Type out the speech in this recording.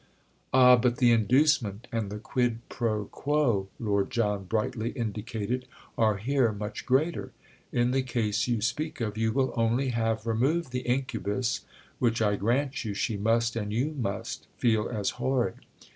"Ah, but the inducement and the quid pro quo," Lord John brightly indicated, "are here much greater! In the case you speak of you will only have removed the incubus—which, I grant you, she must and you must feel as horrid.